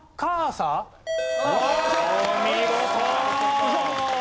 お見事！